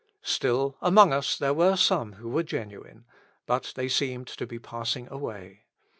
Still, among us there were some who were genuine, but they seemed to be passing away.